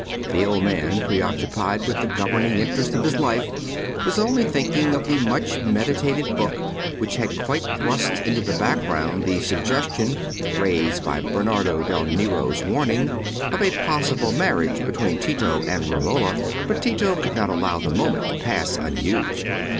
The old man, preoccupied with the governing interest of his life, was only thinking of the much meditated book which had quite thrust into the background the suggestion, raised by Bernardo del Nero's warning, of a possible marriage between Tito and Romola. But Tito could not allow the moment to pass unused.